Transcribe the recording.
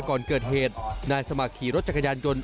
ก่อนเกิดเหตุนายสมัครขี่รถจักรยานยนต์